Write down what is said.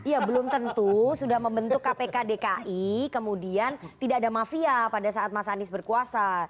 ya belum tentu sudah membentuk kpk dki kemudian tidak ada mafia pada saat mas anies berkuasa